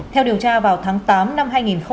theo điều tra vào tháng tám năm hai nghìn một mươi ba